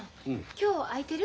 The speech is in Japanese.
今日空いてる？